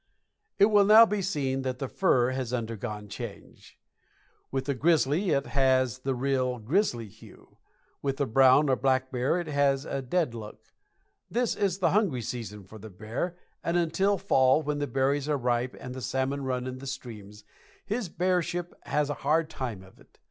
It will now be seen that the fur has undergone a change. With the grizzly it has the real grizzly hue; with the brown or black bear it has a dead look. This is the hungry season for the bear, and until fall, when the berries are ripe and the salmon run in the streams, his bearship has a hard time of it.